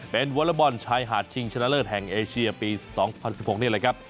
เป็นวอเลอร์บอลชายหาดชิงชนะเลิศแห่งเอเชียปี๒๐๑๖นี่แหละครับ